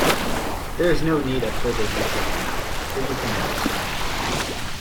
There is no need of further detail, now -- for you can understand.